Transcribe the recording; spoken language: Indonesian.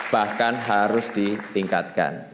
bahkan harus ditingkatkan